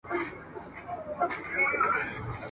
علت یې هماغه د ده خپله خبره ده !.